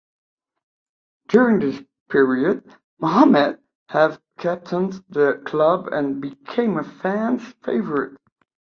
During this period Muhamed have captained the club and became a fans' favourite.